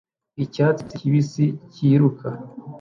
Icyatsi kibisi kiruka